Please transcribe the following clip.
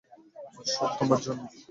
সব তোমার জন্য!